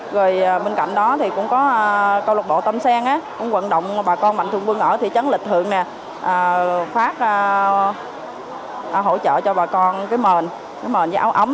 rồi bên cạnh đó thì cũng có câu lục bộ tâm sen á cũng vận động bà con mạnh thường quân ở thị trấn lịch thượng nè phát hỗ trợ cho bà con cái mền cái mền với áo ấm